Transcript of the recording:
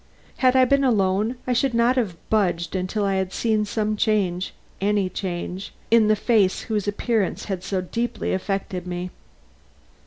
Had I been alone I should not have budged till I had seen some change any change in the face whose appearance had so deeply affected me.